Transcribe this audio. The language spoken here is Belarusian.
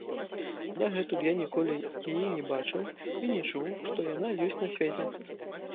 Дагэтуль я ніколі яе не бачыў і не чуў, што яна ёсць на свеце.